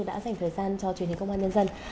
đã dành thời gian cho truyền hình công an nhân dân